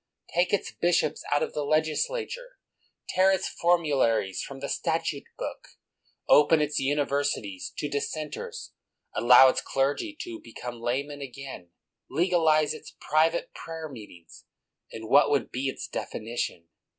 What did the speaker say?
Take its bishops out of the legislature, tear its formularies from the Statute Book, open its universities to Dissenters, allow its clergy to be come laymen again, legalize its private prayer meetings, and what would be its definition